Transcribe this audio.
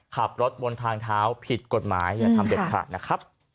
ขับรถบนทางเท้าผิดกฎหมายอย่าทำเด็ดขาดนะครับ